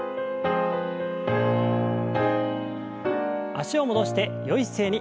脚を戻してよい姿勢に。